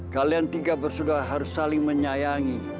kalian tiga bersaudara harus saling menyayangi